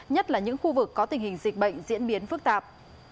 nhất là những khu vực có tình hình dịch bệnh diễn biến phức tạp